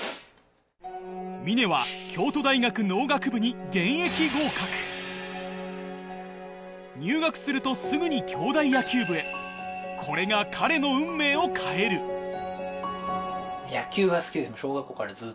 峰は京都大学農学部に入学するとすぐに京大野球部へこれが彼の運命を変える本当だ。